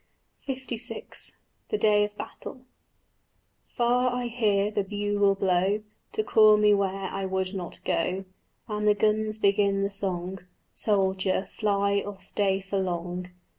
LVI THE DAY OF BATTLE "Far I hear the bugle blow To call me where I would not go, And the guns begin the song, 'Soldier, fly or stay for long.'"